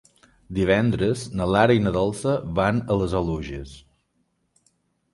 Divendres na Lara i na Dolça van a les Oluges.